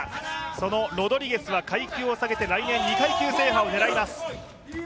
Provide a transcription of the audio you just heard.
そのロドリゲスは階級を下げて来年、２階級制覇を狙います。